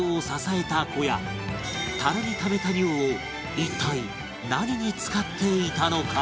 樽に溜めた尿を一体何に使っていたのか？